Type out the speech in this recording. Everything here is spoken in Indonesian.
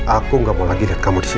aku gak mau lagi lihat kamu disini